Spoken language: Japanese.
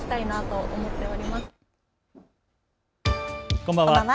こんばんは。